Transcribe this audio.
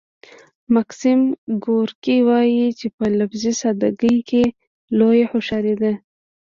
ماکسیم ګورکي وايي چې په لفظي ساده ګۍ کې لویه هوښیاري ده